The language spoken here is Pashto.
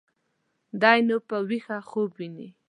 دى نو په ويښه خوب ويني.